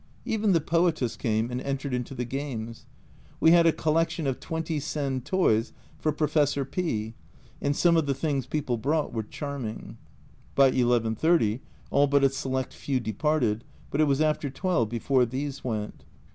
Even the Poetess came, and entered into the games. We had a collection of 20 sen toys for Professor P , and some of the things people brought were charming. By 11.30 all but a select few departed, but it was after 12 before these went.